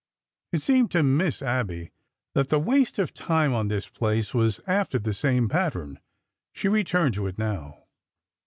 It seemed to Miss Abby that the waste of time on this place was after the same pattern. She returned to it now.